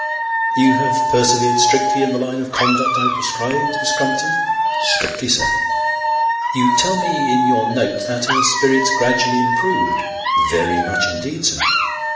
" You have persevered strictly in the line of conduct I prescribed, Miss Crumpton ?"" Strictly, sir." " You tell me in your note that her spirits gradually improved." " Very much indeed, sir."